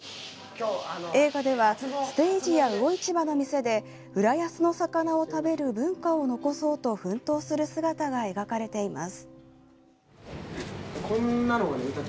映画ではステージや魚市場の店で浦安の魚を食べる文化を残そうと奮闘する姿が描かれています。